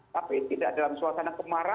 tapi tidak dalam suasana kemarau